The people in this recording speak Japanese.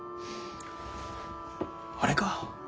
あれか？